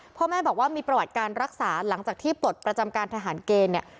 พ่อแม่บอกว่ามีประวัติการรักษาหลังจากที่ปลดประจำการทหารเกณฑ์เนี่ย